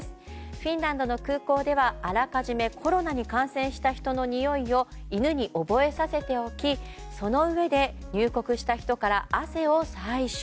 フィンランドの空港ではあらかじめコロナに感染した人のにおいを犬に覚えさせておきそのうえで入国した人から汗を採取。